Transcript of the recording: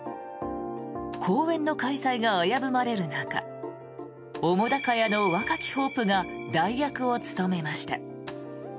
公演の開催が危ぶまれる中澤瀉屋の若きホープが代役を務めました。